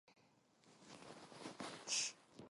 그는 옛적 홍릉 쪽을 향하여 갔다.